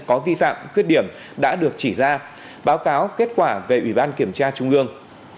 có vi phạm khuyết điểm đã được chỉ ra báo cáo kết quả về ủy ban kiểm tra trung ương